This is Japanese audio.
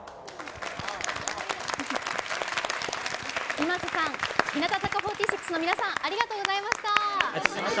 ｉｍａｓｅさん日向坂４６の皆さんありがとうございました。